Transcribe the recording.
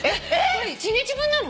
これ一日分なの？